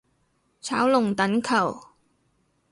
炒龍躉球